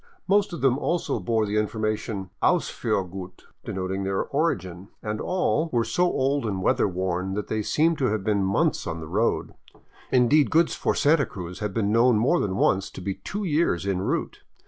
Most of them also bore the information " Ausf uhrgut," denoting their origin ; and all 577 VAGABONDING DOWN THE ANDES were so old and weather worn that they seemed to have been months on the road. Indeed, goods for Santa Cruz have been known more than once to be two years en route.